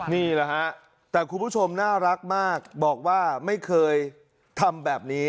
นี่แหละฮะแต่คุณผู้ชมน่ารักมากบอกว่าไม่เคยทำแบบนี้